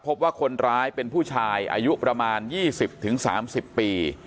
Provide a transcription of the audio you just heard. พบว่าคนร้ายเป็นผู้ชายอายุประมาณ๒๐๓๐ปี